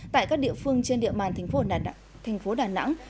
tại các địa phương trên địa bàn thành phố đà nẵng